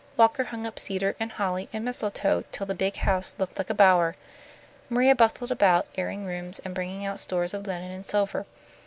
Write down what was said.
Walker hung up cedar and holly and mistletoe till the big house looked like a bower. Maria bustled about, airing rooms and bringing out stores of linen and silver.